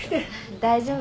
大丈夫。